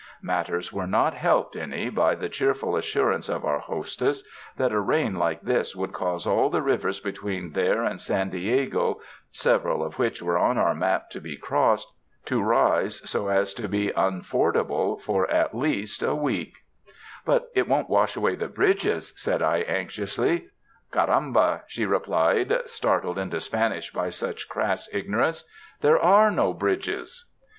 Matters were not helped any by the cheerful assurance of our hostess that a rain like this would cause all the rivers between there and San Diego, several of which were on our map to be crossed, to rise so as to be unfordable for at least a week. 113 UNDER THE SKY IN CALIFORNIA '*But it won't wash away the bridges," said I anxiously. ''Caramba!" she replied, startled into Spanish by such crass ignorance, "there are no bridges!"